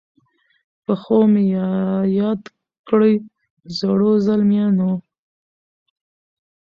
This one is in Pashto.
په ښو مي یاد کړی زړو، زلمیانو